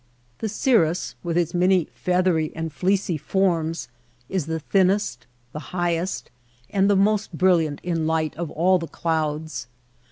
The cirrus with its many feathery and fleecy forms is the thinnest, the highest, and the most brilliant in light of all the clouds.